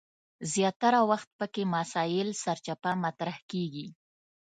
زیاتره وخت پکې مسایل سرچپه مطرح کیږي.